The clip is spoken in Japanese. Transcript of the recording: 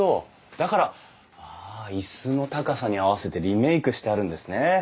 だから椅子の高さに合わせてリメークしてあるんですね。